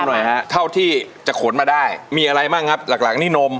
ขอชมหน่อยครับเท่าที่จะขนมาได้มีอะไรบ้างครับหลักอันนี้นม